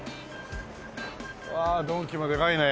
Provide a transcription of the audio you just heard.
わあドンキもでかいね。